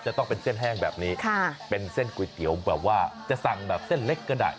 จะต้องเป็นเส้นแห้งแบบนี้เป็นเส้นก๋วยเตี๋ยวแบบว่าจะสั่งแบบเส้นเล็กก็ได้